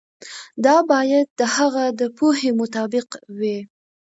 دا باید د هغه د پوهې مطابق وي.